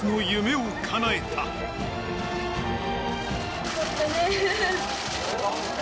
よかったね。